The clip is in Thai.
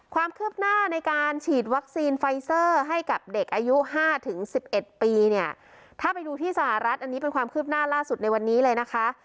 ความคืบหน้าในการฉีดวัคซีนไฟเซอร์ให้กับเด็กอายุ๕๑๑ปีเนี่ยถ้าไปดูที่สหรัฐอันนี้เป็นความคืบหน้าล่าสุดในวันนี้เลยนะคะ